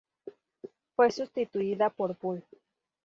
Fue sustituida por "Bull.